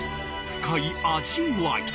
深い味わい！